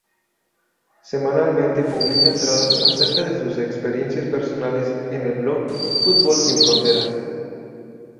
Semanalmente, publica entradas acerca de sus experiencias personales en el blog "Fútbol sin Fronteras".